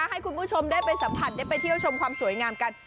ให้คุณผู้ชมได้ไปสัมผัสได้ไปเที่ยวชมความสวยงามกัน